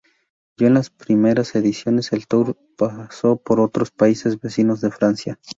Ya en las primeras ediciones el Tour pasó por otros países vecinos de Francia.